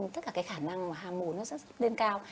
tất cả cái khả năng hàm mồ nó sẽ lên cao